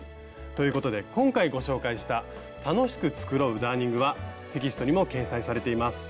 ということ今回ご紹介した「楽しく繕うダーニング」はテキストにも掲載されています。